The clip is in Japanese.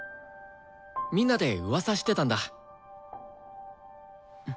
みんなでうわさしてたんだ。